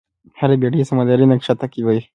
هره بېړۍ سمندري نقشه تعقیبوي.